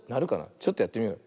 ちょっとやってみよう。